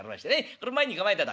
これ前に構えてと。